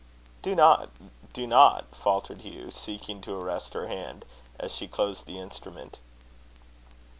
"Do not, do not," faltered Hugh, seeking to arrest her hand, as she closed the instrument.